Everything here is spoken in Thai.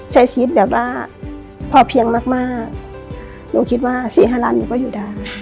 ใช้ชีวิตแบบว่าพอเพียงมากหนูคิดว่าสี่ห้าล้านหนูก็อยู่ได้